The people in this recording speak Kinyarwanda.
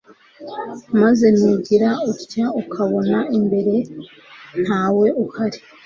maze nugira utya ukabona imbere ntawe uhari